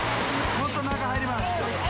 もっと中へ入ります。